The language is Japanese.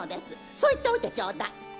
そう言っておいてちょうだい！